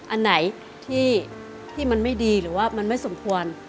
อันไหนที่มันไม่ดีหรือว่ามันไม่สมควร